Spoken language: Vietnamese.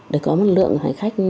để có mặt lượng hành khách